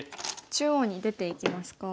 中央に出ていきますか。